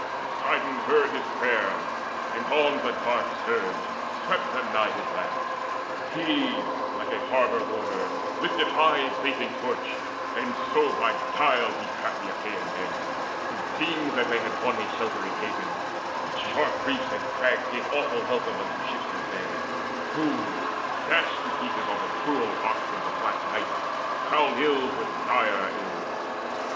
Poseidon heard his prayer, And on the dark surge swept them nigh his land. He, like a harbour warder, lifted high A blazing torch, and so by guile he trapped The Achaean men, who deemed that they had won A sheltering haven: but sharp reefs and crags Gave awful welcome unto ships and men, Who, dashed to pieces on the cruel rocks In the black night, crowned ills with direr ills.